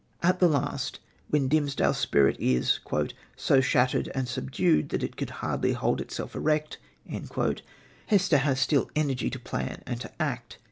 At the last, when Dimmesdale's spirit is "so shattered and subdued that it could hardly hold itself erect," Hester has still energy to plan and to act.